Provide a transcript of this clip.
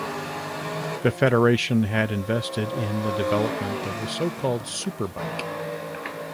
The federation had invested in the development of the so-called SuperBike.